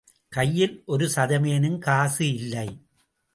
கையில் ஒருசதமேனும் காசு இல்லை.